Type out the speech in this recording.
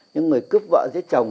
những người cướp vợ giết chồng